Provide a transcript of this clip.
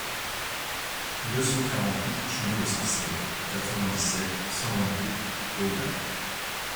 deux cent quarante-huit chemin de Sarcelle, quatre-vingt-dix-sept, cent vingt-huit, Goyave